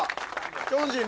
ヒョンジン。